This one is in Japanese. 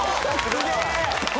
すげえ！